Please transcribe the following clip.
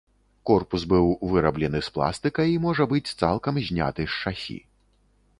Корпус быў выраблены з пластыка і можа быць цалкам зняты з шасі.